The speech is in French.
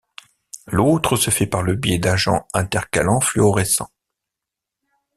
L'autre se fait par le biais d'agents intercalants fluorescents.